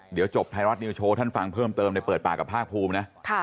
เดี๋ยวจบไทยรัฐนิวโชว์ท่านฟังเพิ่มเติมในเปิดปากกับภาคภูมินะ